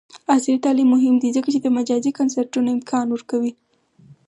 عصري تعلیم مهم دی ځکه چې د مجازی کنسرټونو امکان ورکوي.